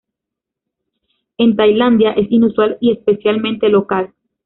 En Tailandia, es inusual y especialmente local.